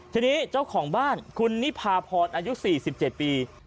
ทีนี้เจ้าของบ้านคุณนิพาพรอายุ๔๗ปี